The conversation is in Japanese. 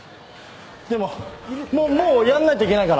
でも、もうやらないといけないから。